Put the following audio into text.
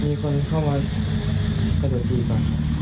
มีคนเข้ามากระโดดถีบก่อน